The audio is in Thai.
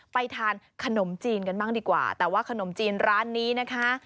ไปทานขนมจีนกันบ้างดีกว่าแต่ว่าขนมจีนร้านนี้นะคะ